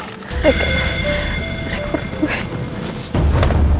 rekor perut gue